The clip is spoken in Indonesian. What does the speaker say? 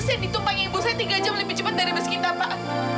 saya ditumpangi ibu saya tiga jam lebih cepat dari bus kita pak